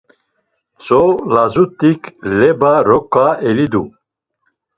Tzo lazut̆ik leba roǩa elidu.